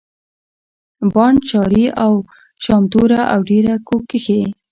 بانډ شاري او شامتوره او ډېره کو کښي